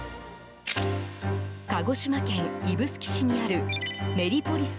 鹿児島県指宿市にあるメディポリス